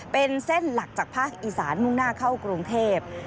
เป็นเส้นหลักจากภาคอีสานมุ่งหน้าเข้ากรุงเทพ